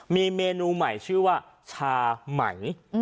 มีเมนูใหม่ชื่อว่าชาไหม